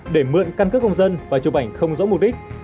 để mượn căn cước công dân và chụp ảnh không rõ mục đích